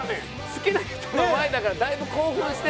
好きな人の前だからだいぶ興奮してるんだよ。